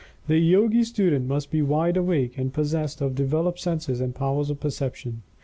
The Yogi student must be "wide awake" and possessed of developed senses and powers of Perception.